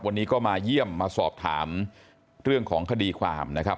วันนี้ก็มาเยี่ยมมาสอบถามเรื่องของคดีความนะครับ